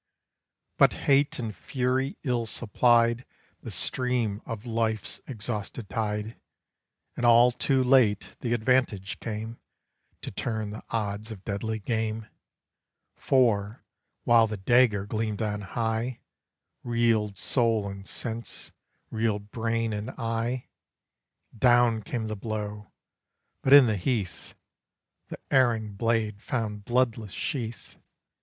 But hate and fury ill supplied The stream of life's exhausted tide, And all too late the advantage came, To turn the odds of deadly game; For, while the dagger gleamed on high, Reeled soul and sense, reeled brain and eye, Down came the blow! but in the heath The erring blade found bloodless sheath.